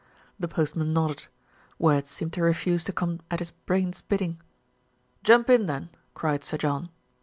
The postman nodded. Words seemed to refuse to come at his brain's bidding. "Jump in then," cried Sir John.